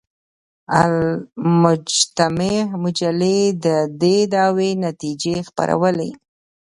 المجتمع مجلې د دې دعوې نتیجې خپرولې.